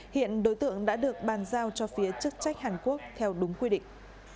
hiện đối tượng đã được bàn giao cho phía chức trách hàn quốc theo đúng quy định